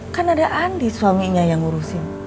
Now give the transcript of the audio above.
kan ada andi suaminya yang ngurusin